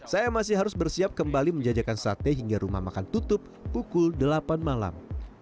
saya masih harus bersiap kembali menjajakan sate hingga rumah makan tutup pukul delapan malam